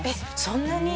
そんなに？